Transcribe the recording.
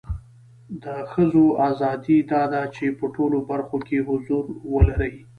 د خځو اذادی دا ده چې په ټولو برخو کې حضور ولري